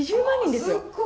２０万人ですよ！